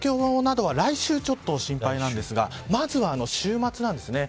東京などは来週ちょっと心配なんですがまずは週末なんです。